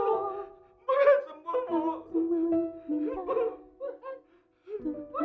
rahmat tidak akan pernah memaafkan perbuatan keburhan pak ustadz